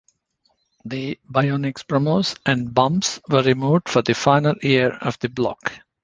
The Bionix promos and bumps were removed for the final year of the block.